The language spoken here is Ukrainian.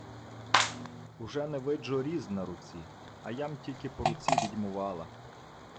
— Уже не виджу різ на руці. А я-м тільки по руці відьмувала.